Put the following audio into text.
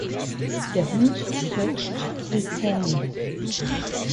Der Hund fletscht die Zähne.